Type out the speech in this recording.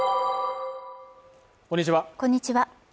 こんにちは